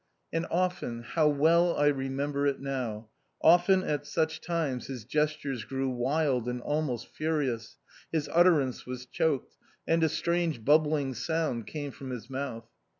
And often — how well I remem ber it now — often at such times his gestures grew wild and almost furious, his utterance was choked, and a strange bubbling sound came from his mouth.